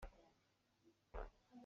Ram lum ah cun ri kung tampi an um.